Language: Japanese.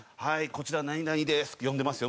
こちら何々です」って読んでますよ村田も。